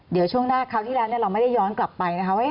เดี๋ยวช่วงหน้าคราวที่แล้วเราไม่ได้ย้อนกลับไปนะคะว่า